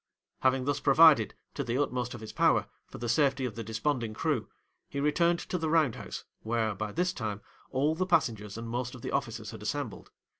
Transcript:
'Having thus provided, to the utmost of his power, for the safety of the desponding crew, he returned to the round house, where, by this time, all the passengers and most of the officers had assembled.